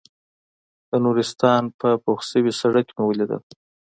د نورستان په پوخ شوي سړک مې ولیدل.